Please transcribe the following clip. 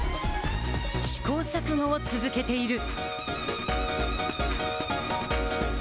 試行錯誤を続けている。